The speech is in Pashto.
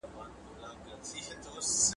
• بنده و تړل بارونه، خداى کوله خپل کارونه.